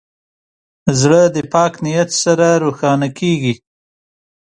زړه د پاک نیت سره روښانه کېږي.